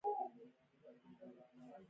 غوږونه ګټور دي.